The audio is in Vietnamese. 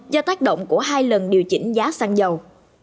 do tác động của hai lần điều chỉnh giá xăng dầu